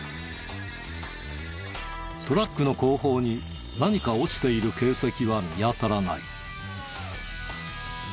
トラックの後方に何か落ちている形跡は見当たらない。